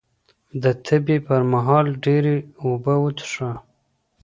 د تبې پر مهال ډېرې اوبه وڅښه